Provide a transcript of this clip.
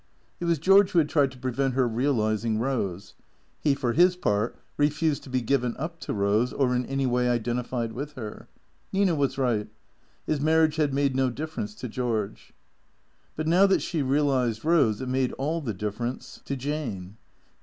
It was George who had tried to prevent her realizing Eose, He, for his part, refused to be given up to Rose or in any way identified with her. Nina was right. His marriage had made no difference to George. But now that she realized Eose, it made all the difference to Jane.